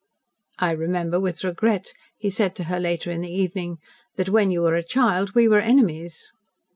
"I remember, with regret," he said to her later in the evening, "that when you were a child we were enemies."